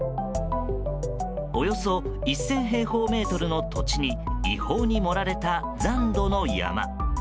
およそ１０００平方メートルの土地に違法に盛られた残土の山。